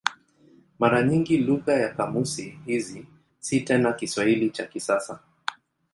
Mara nyingi lugha ya kamusi hizi si tena Kiswahili cha kisasa.